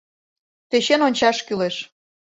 Тӧчен ончаш кӱлеш.